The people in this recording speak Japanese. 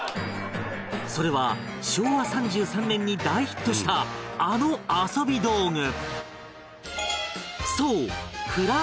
それは昭和３３年に大ヒットしたあの遊び道具